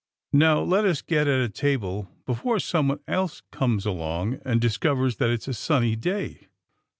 Now, let us get at a table before someone else comes along and dis covers that it's a sunny day."